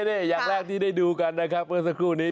นี่อย่างแรกที่ได้ดูกันนะครับเมื่อสักครู่นี้